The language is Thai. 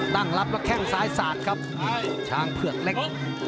ตั้งรับแล้วแข้งซ้ายสาดครับช้างเผือกเล็ก